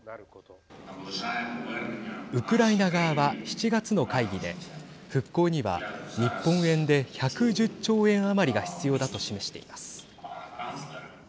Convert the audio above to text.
ウクライナ側は、７月の会議で復興には日本円で１１０兆円余りが必要だと示しています。